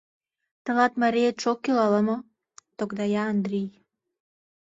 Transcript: — Тылат мариетше ок кӱл ала-мо? — тогдая Андрий.